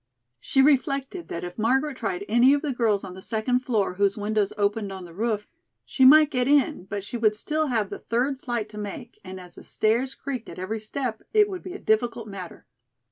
She reflected that if Margaret tried any of the girls on the second floor whose windows opened on the roof, she might get in but she would still have the third flight to make and as the stairs creaked at every step, it would be a difficult matter.